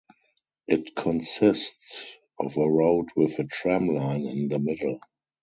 It consists of a road with a tram line in the middle.